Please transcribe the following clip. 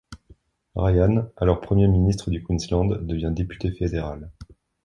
Ryan, alors premier ministre du Queensland, devint député fédéral.